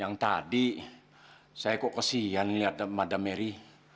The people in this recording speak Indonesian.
yang tadi saya kok kesian lihat mada mary